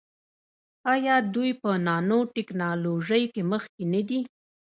آیا دوی په نانو ټیکنالوژۍ کې مخکې نه دي؟